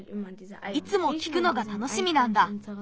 いつもきくのがたのしみなんだ。